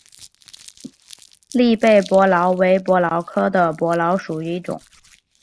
栗背伯劳为伯劳科伯劳属的一种。